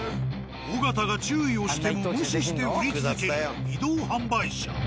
尾形が注意をしても無視して売り続ける移動販売車。